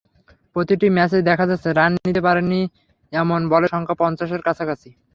প্রতিটি ম্যাচেই দেখা যাচ্ছে রান নিতে পারেননি এমন বলের সংখ্যা পঞ্চাশের কাছাকাছি।